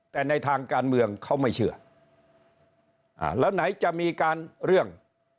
แต่ในทางการเมืองเขาไม่เชื่ออ่าแล้วไหนจะมีการเรื่อง